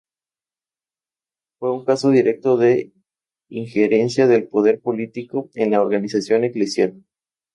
Fue un caso directo de injerencia del poder político en la organización eclesial.